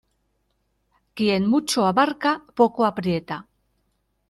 Quien mucho abarca, poco aprieta.